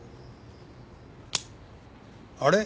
あれ？